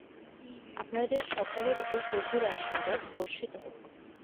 আপনাদের সকলের উপর প্রভুর আশীর্বাদ বর্ষিত হোক।